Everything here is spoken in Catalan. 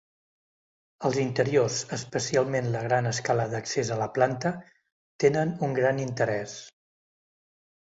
Els interiors, especialment la gran escala d'accés a la planta, tenen un gran interès.